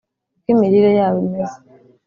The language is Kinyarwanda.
uko imirire yabo imeze